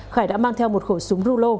khải đã mang theo một khẩu súng rưu lô